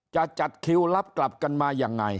จะจัดกิวรับกลับกันมาอย่างอิสระเอลว่าจะ